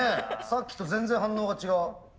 さっきと全然反応が違う。